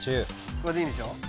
これでいいんでしょ？